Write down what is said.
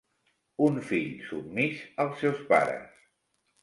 Un fill submís als seus pares.